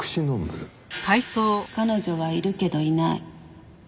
彼女はいるけどいない。